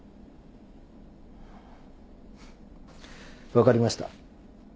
分かりました。